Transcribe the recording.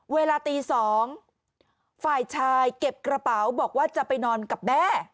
เวลาตี๒ฝ่ายชายเก็บกระเป๋าบอกว่าจะไปนอนกับแม่